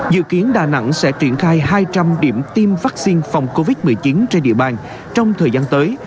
dự kiến đà nẵng sẽ triển khai hai trăm linh điểm tiêm vaccine phòng covid một mươi chín trên địa bàn trong thời gian tới